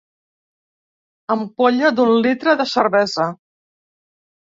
Ampolla d'un litre de cervesa.